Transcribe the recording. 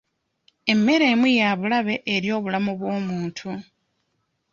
Emmere emu ya bulabe eri obulamu bw'omuntu.